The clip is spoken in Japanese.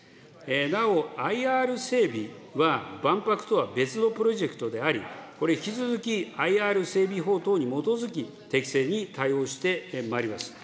なお、ＩＲ整備は万博とは別のプロジェクトであり、これ、引き続き、ＩＲ整備法等に基づき、適正に対応してまいります。